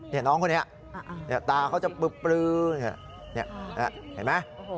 นี่น้องคนนี้ตาเขาจะปลือเห็นไหม